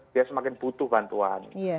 dia semakin butuh bantuan